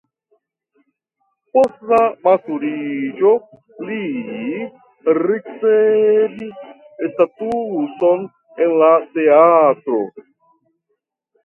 Post la maturiĝo li ricevis statuson en la teatro.